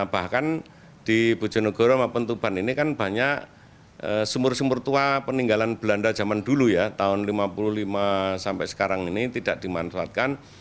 bahkan di bojonegoro maupun tuban ini kan banyak sumur sumur tua peninggalan belanda zaman dulu ya tahun seribu sembilan ratus lima puluh lima sampai sekarang ini tidak dimanfaatkan